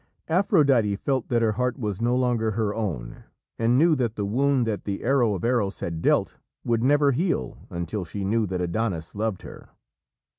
Aphrodite felt that her heart was no longer her own, and knew that the wound that the arrow of Eros had dealt would never heal until she knew that Adonis loved her.